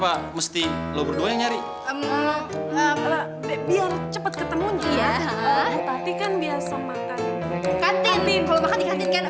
akhirnya drama kita selesai juga